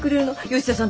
吉田さん